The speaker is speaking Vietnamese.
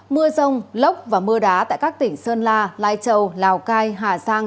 mưa rông lốc và mưa đá tại các tỉnh sơn la lai châu lào cai hà giang